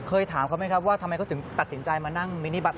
ถามเขาไหมครับว่าทำไมเขาถึงตัดสินใจมานั่งมินิบัตร